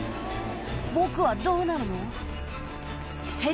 僕はどうなるの？